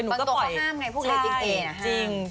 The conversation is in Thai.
บรรตูก็ห้ามไงพวกเล่นจริงอะ